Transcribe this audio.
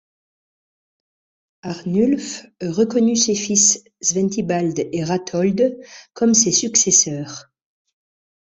Arnulf reconnut ses fils Sventibald et Ratold comme ses successeurs.